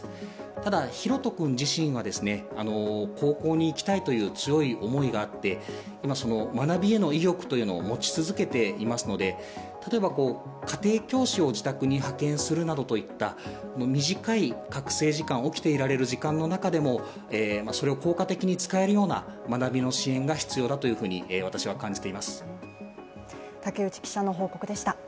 ただ、ひろと君自身は高校に行きたいという強い思いがあって今、学びへの意欲というのを持ち続けていますので例えば、家庭教師を自宅に派遣するなどといった短い覚醒時間、起きていられる時間の中でもそれを効果的に使えるような学びの支援が必要だと私は感じています。